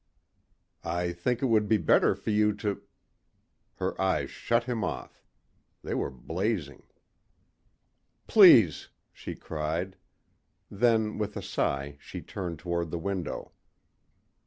"I think it would be better for you to...." Her eyes shut him off. They were blazing. "Please," she cried. Then with a sigh she turned toward the window.